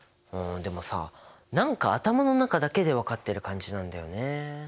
でもさ何か頭の中だけで分かってる感じなんだよね。